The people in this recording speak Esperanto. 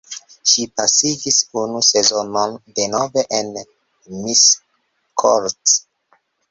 Ŝi pasigis unu sezonon denove en Miskolc.